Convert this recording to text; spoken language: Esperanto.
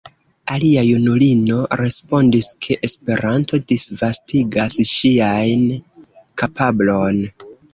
Alia junulino respondis, ke Esperanto disvastigas ŝian kapablon.